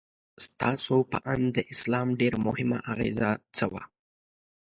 ستاسو په اند د اسلام ډېره مهمه اغیزه څه وه؟